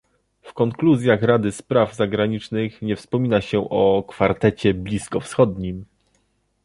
W konkluzjach Rady Spraw zagranicznych nie wspomina się o kwartecie bliskowschodnim